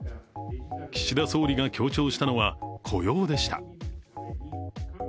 岸田総理が強調したのは雇用でした。